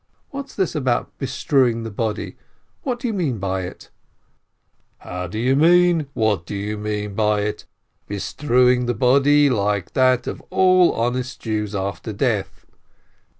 What's this about bestrewing the body ? What do you mean by it ?" "How do you mean, 'what do you mean by it?' Bestrewing the body like that of all honest Jews, after death."